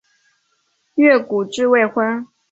越谷治未婚。